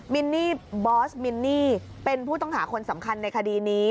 มินนี่บอสมินนี่เป็นผู้ต้องหาคนสำคัญในคดีนี้